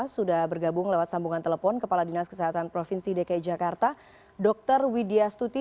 sudah bergabung lewat sambungan telepon kepala dinas kesehatan provinsi dki jakarta dr widya stuti